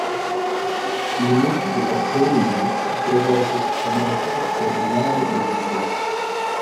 Minisitiri Opendi yagarutse ku kamaro ko gushora imari mu buzima